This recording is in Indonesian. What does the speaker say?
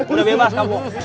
udah bebas kak bu